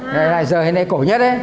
máy ảnh cổ đấy giờ đến đây cổ nhất đấy